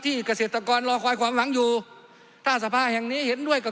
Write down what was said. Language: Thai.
เกษตรกรรอคอยความหวังอยู่ถ้าสภาแห่งนี้เห็นด้วยกับ